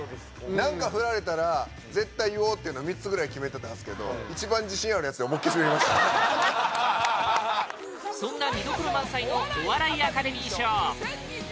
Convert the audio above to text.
何か振られたら絶対言おうっていうの３つぐらい決めてたんすけどそんなみどころ満載のお笑いアカデミー賞